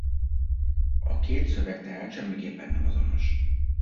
A két szöveg tehát semmiképpen nem azonos.